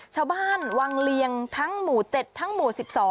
ชาวบ้านวังเลียงทั้งหมู่๗ทั้งหมู่๑๒